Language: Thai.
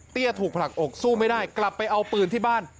ถูกผลักอกสู้ไม่ได้กลับไปเอาปืนที่บ้าน